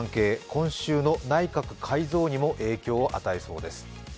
今週の内閣改造にも影響を与えそうです。